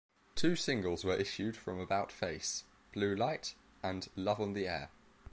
Two singles were issued from "About Face": "Blue Light", and "Love on the Air".